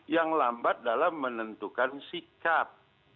yang lambat dalam menentukan sikap